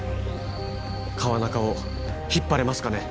川中を引っ張れますかね